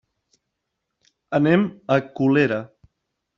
Anem a Colera.